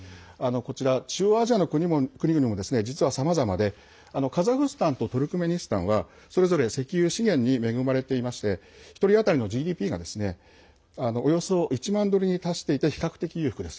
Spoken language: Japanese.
こちら中央アジアの国々も実は、さまざまでカザフスタンとトルクメニスタンはそれぞれ石油資源に恵まれていまして１人当たりのＧＤＰがおよそ１万ドルに達していて比較的、裕福です。